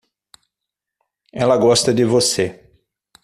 Ela gosta de você.